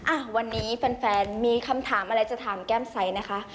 อ่ะวันนี้แฟนมีคำถามอะไรจะถามแก้มใสนะคะ